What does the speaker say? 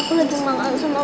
biasanya apapun yang kita makan